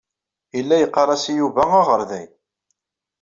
Yella yeɣɣar-as i Yuba aɣerday.